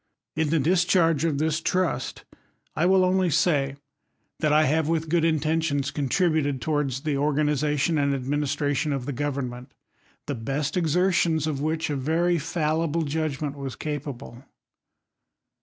In the discharge of this trust, I will only say, that I have with good intentions contributed towards the or ^< ganization and administration" of the government, thej best exertions of which a very fallible judgment wai capable.